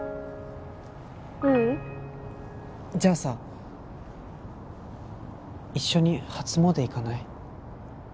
ううんじゃあさ一緒に初詣行かない？